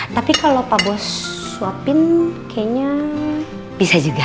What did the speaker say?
tapi kalau pak bos swapin kayaknya bisa juga